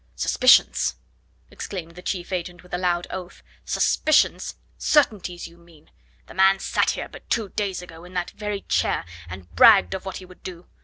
"Suspicions!" exclaimed the chief agent with a loud oath. "Suspicions! Certainties, you mean. The man sat here but two days ago, in that very chair, and bragged of what he would do.